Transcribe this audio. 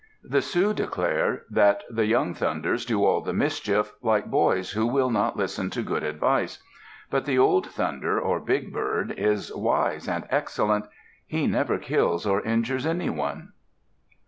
The Sioux declare that the young Thunders do all the mischief, like boys who will not listen to good advice; but the old Thunder, or big bird, is wise and excellent; he never kills or injures any one!